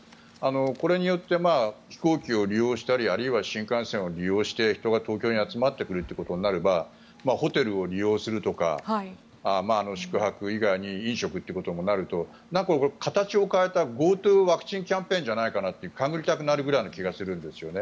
これによって飛行機を利用したりあるいは新幹線を利用して人が東京に集まってくることになればホテルを利用するとか宿泊以外に飲食ということにもなると形を変えたＧｏＴｏワクチンキャンペーンじゃないかなと勘繰りたくなるぐらいの気がするんですよね。